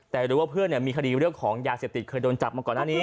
แต่รู้ว่าเพื่อนมีคดีเรื่องของยาเสพติดเคยโดนจับมาก่อนหน้านี้